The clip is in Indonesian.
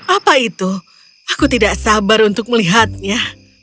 apa itu aku tidak sabar untuk melihatnya